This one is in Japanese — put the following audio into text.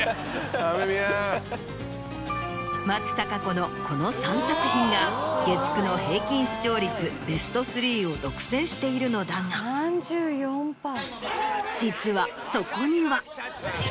松たか子のこの３作品が月９の平均視聴率ベスト３を独占しているのだが実はそこには。